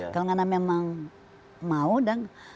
kalau nggak memang mau dong